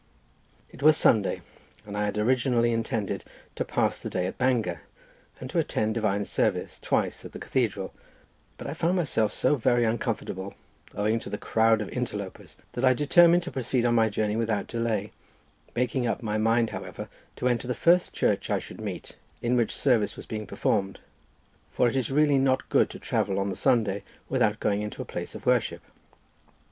It was Sunday, and I had originally intended to pass the day at Bangor, and to attend divine service twice at the cathedral, but I found myself so very uncomfortable, owing to the crowd of interlopers, that I determined to proceed on my journey without delay; making up my mind, however, to enter the first church I should meet in which service was being performed; for it is really not good to travel on the Sunday without going into a place of worship.